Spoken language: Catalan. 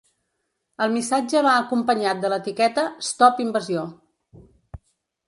El missatge va acompanyat de l’etiqueta ‘stop invasió’.